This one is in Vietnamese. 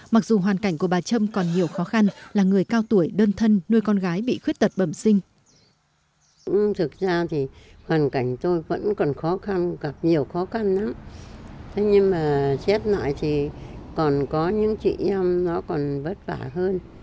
mặc dù hoàn cảnh của bà trâm còn nhiều khó khăn là người cao tuổi đơn thân nuôi con gái bị khuyết tật bẩm sinh